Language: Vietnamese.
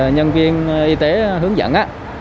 nhân viên y tế hướng dẫn